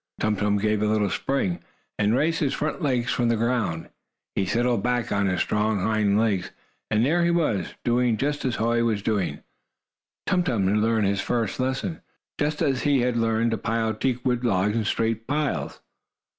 Tum Tum gave a little spring, and raised his front legs from the ground. He settled back on his strong hind legs, and there he was, doing just as Hoy was doing! Tum Tum had learned his first lesson, just as he had learned to pile teakwood logs in straight piles.